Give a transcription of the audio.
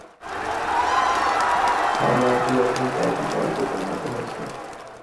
খামারটি এখন চারটি বাড়িতে পরিণত হয়েছে।